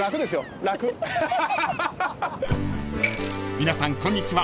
［皆さんこんにちは